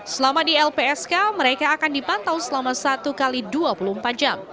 selama di lpsk mereka akan dipantau selama satu x dua puluh empat jam